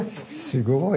すごい！